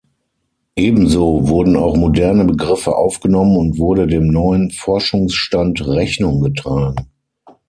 Ebenso wurden auch moderne Begriffe aufgenommen und wurde dem neuen Forschungsstand Rechnung getragen.